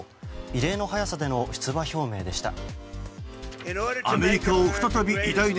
異例の早さでの出馬表明でした。